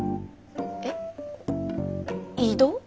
えっ異動？